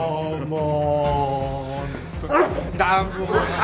もう。